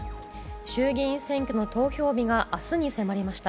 衆議院選挙の投票日が明日に迫りました。